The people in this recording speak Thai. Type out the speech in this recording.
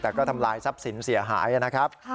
แต่ก็ทำลายทรัพย์สินเสียหายนะครับ